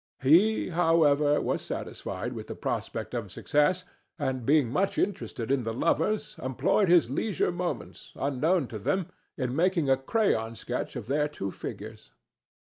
He, however, was satisfied with the prospect of success, and, being much interested in the lovers, employed his leisure moments, unknown to them, in making a crayon sketch of their two figures.